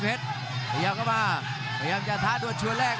พยายามจะท้าตัวชัอแรก